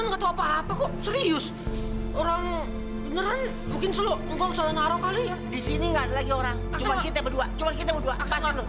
aku ga tau apa apa kong aduh mungkin kong taro dimana kong selay bor selay dimana gitu kan